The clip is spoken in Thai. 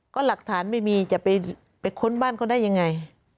ก็หลักฐานไม่มีจะไปค้นบ้านเขาได้ยังไง